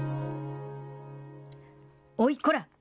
おい、こら。